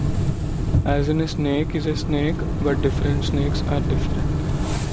As in a snake is a snake, but different snakes are different.